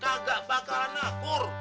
kagak bakalan akur